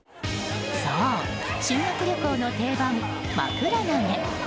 そう、修学旅行の定番まくら投げ。